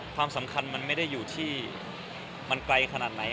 ความสำคัญมันไม่ได้อยู่ที่มันไกลขนาดไหน